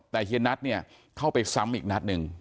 แต่เฮียนัทเนี่ยเข้าไปซ้ำอีกนัดหนึ่ง